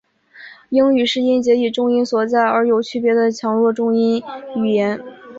英语是音节以重音所在而有区别的强弱重音语言。